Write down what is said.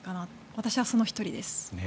私はその１人です。